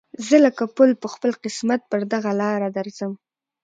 زه لکه پل په خپل قسمت پر دغه لاره درځم